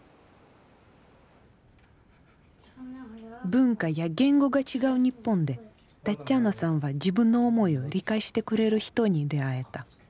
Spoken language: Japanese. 文化や言語が違う日本でタッチャナさんは自分の思いを理解してくれる人に出会えた。